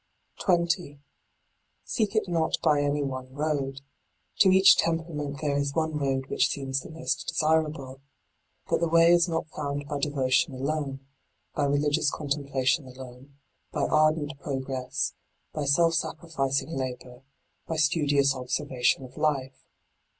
20. Seek it not by any one road. To each temperament there is one road which seems the most desirable. But the way is not found by devotion alone, by religious contemplation alone, by ardent progress, by self sacrificing labour, by studious observation of life.